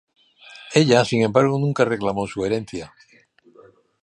Ella, sin embargo, nunca reclamó su herencia.